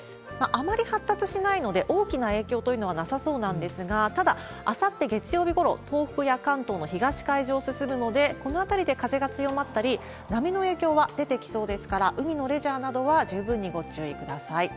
あまり発達しないので、大きな影響というのはなさそうなんですが、ただ、あさって月曜日ごろ、東京や関東の東海上を進むので、このあたりで風が強まったり、波の影響は出てきそうですから、海のレジャーなどは十分にご注意ください。